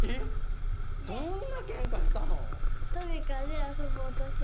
どんなケンカしたの？